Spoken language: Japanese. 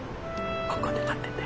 ここで待ってて。